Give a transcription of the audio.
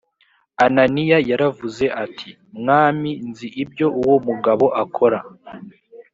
ananiya yaravuze ati “mwami nzi ibyo uwo mugabo akora”